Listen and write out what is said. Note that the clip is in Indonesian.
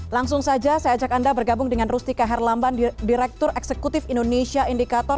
langsung saja saya ajak anda bergabung dengan rustika herlamban direktur eksekutif indonesia indikator